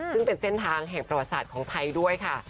ซึ่งเป็นเส้นทางแห่งประวัติศาสตร์ของไทยด้วยค่ะ